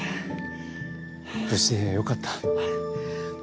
無事でよかった。